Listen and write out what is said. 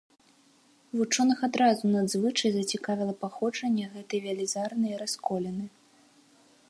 Вучоных адразу надзвычай зацікавіла паходжанне гэтай велізарнай расколіны.